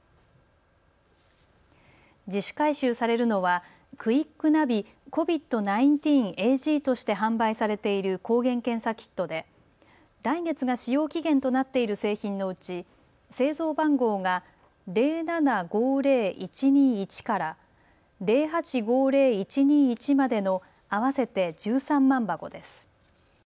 自主回収されるのはクイックナビーＣＯＶＩＤ１９Ａｇとして販売されている抗原検査キットで来月が使用期限となっている製品のうち製造番号が０７５０１２１から、０８５０１２１までの合わせて１３万箱です。